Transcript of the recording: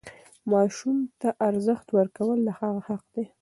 ماسوم ته ارزښت ورکول د هغه حق دی.